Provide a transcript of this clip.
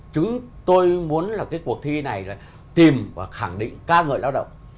chúng tôi muốn là cái cuộc thi này là tìm và khẳng định ca người lao động